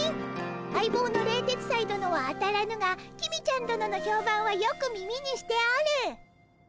相棒の冷徹斎殿は当たらぬが公ちゃん殿の評判はよく耳にしておる！